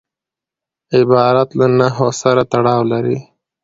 عبارت له نحو سره تړاو لري.